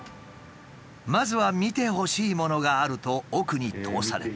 まずは見てほしいものがあると奥に通された。